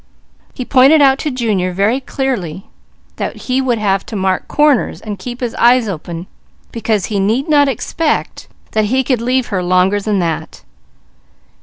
He pointed out to Junior very clearly that he would have to mark corners and keep his eyes open because he need not expect that he could leave her longer than that.